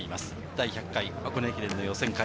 第１００回箱根駅伝の予選会。